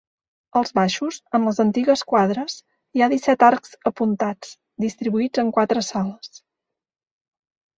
Als baixos, en les antigues quadres, hi ha disset arcs apuntats, distribuïts en quatre sales.